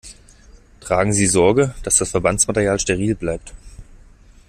Tragen Sie Sorge, dass das Verbandsmaterial steril bleibt.